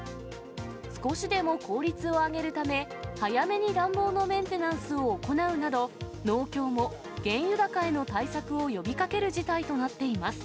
少しでも効率を上げるため、早めに暖房のメンテナンスを行うなど、農協も原油高への対策を呼びかける事態となっています。